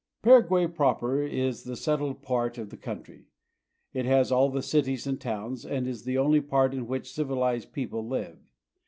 Paraguay proper is the settled part of the country. It has all the cities and towns, and is the only part in which civilized people live.